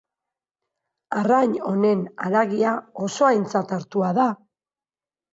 Arrain honen haragia oso aintzat hartua da.